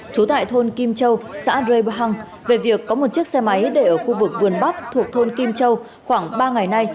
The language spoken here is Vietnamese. trú tại thôn kim châu xã rê bờ hằng về việc có một chiếc xe máy để ở khu vực vườn bắp thuộc thôn kim châu khoảng ba ngày nay